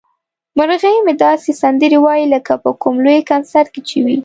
مرغۍ مې داسې سندرې وايي لکه په کوم لوی کنسرت کې چې وي.